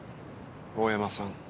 大山さん。